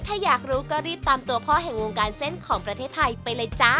ถ้าอยากรู้ก็รีบตามตัวพ่อแห่งวงการเส้นของประเทศไทยไปเลยจ้า